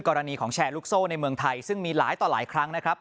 กรณีของแชร์ลูกโซ่ในเมืองไทยซึ่งมีหลายต่อหลายครั้งนะครับ